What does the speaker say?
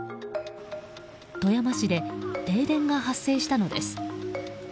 富山市で停電が発生したのです。